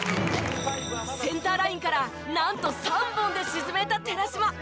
センターラインからなんと３本で沈めた寺嶋！